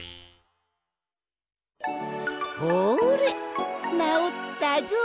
ほれなおったぞい！